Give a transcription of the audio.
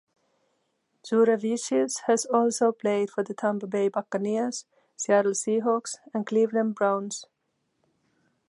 Jurevicius has also played for the Tampa Bay Buccaneers, Seattle Seahawks, and Cleveland Browns.